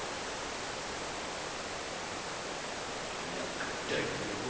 田舎大名